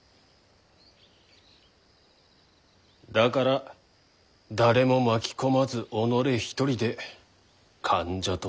だから誰も巻き込まず己一人で間者となった。